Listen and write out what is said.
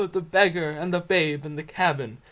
the Beggar, and the babe, and the cabin!"